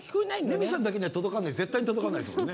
レミさんだけには絶対に届かないですもんね。